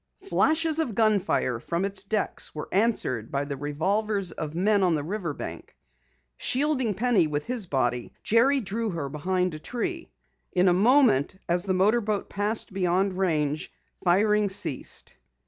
Flashes of gunfire from its decks were answered by the revolvers of men on the river bank. Shielding Penny with his body, Jerry drew her behind a tree. In a moment as the motor boat passed beyond range, firing ceased.